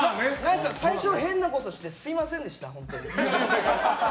最初、変なことしてすみませんでした、本当に。